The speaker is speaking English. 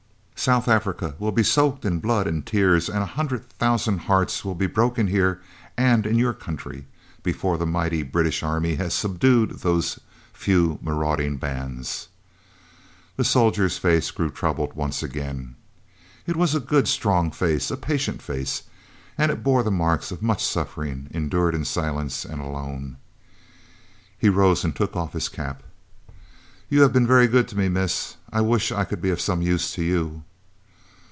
South Africa will be soaked in blood and tears, and a hundred thousand hearts will be broken here and in your country, before the mighty British Army has subdued those 'few marauding bands.'" The soldier's face grew troubled once again. It was a good, strong face a patient face and it bore the marks of much suffering, endured in silence and alone. He rose and took off his cap. "You've been very good to me, miss. I wish I could be of some use to you."